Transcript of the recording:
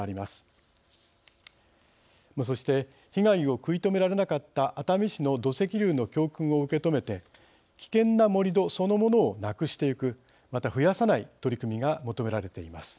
そして被害を食い止められなかった熱海市の土石流の教訓を受け止めて危険な盛り土そのものをなくしていくまた増やさない取り組みが求められています。